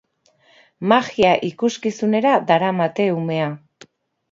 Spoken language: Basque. Magia ikuskizunera daramate umea.